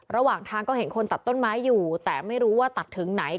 ระหว่างทางก็เห็นคนตัดต้นไม้อยู่แต่ไม่รู้ว่าตัดถึงไหน